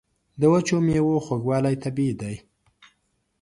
د وچو میوو خوږوالی طبیعي دی.